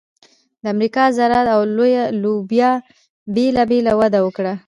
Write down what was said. د امریکا ذرت او لوبیا بېله بېله وده وکړه.